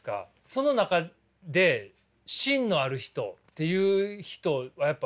その中で芯のある人っていう人はやっぱいられますよね？